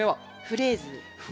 フレーズ。